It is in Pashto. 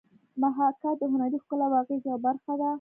محاکات د هنري ښکلا او اغېز یوه برخه ده